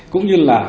cũng như là